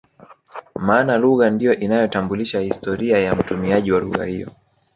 Maana lugha ndio inayotambulisha historia ya mtumiaji wa lugha hiyo